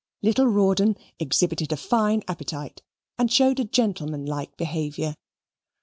Little Rawdon exhibited a fine appetite and showed a gentlemanlike behaviour.